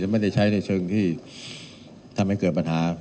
ไม่ได้ใช้ในเชิงที่ทำให้เกิดปัญหา